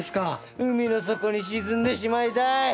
海の底に沈んでしまいたい。